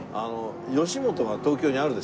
吉本が東京にあるでしょ。